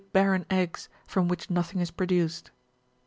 barren eggs, from which nothing is produced.